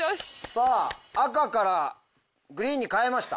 さあ赤からグリーンに変えました。